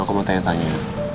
aku mau tanya tanya